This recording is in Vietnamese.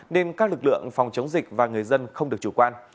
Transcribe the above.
nên các lực lượng phòng chống dịch và người dân không được chủ quan